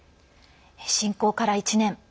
侵攻から１年。